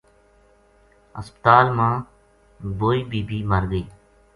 ہسپتال ما بوئی بی بی مر گئی